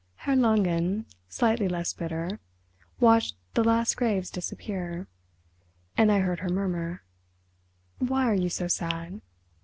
Herr Langen, slightly less bitter—watched the last graves disappear. And I heard her murmur: "Why are you so sad?